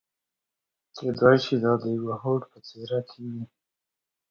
کېدای شي دا د يوه هوډ په څېره کې وي.